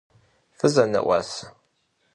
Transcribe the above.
Fızene'uase?